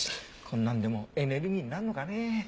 こんなんでもエネルギーになるのかね？